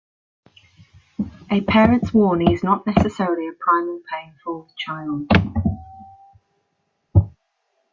A parent's warning is not necessarily a Primal Pain for the child.